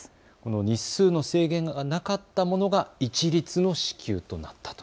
日数の制限がなかったものが一律の支給となったと。